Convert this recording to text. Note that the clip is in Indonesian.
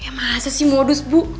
ya masa sih modus bu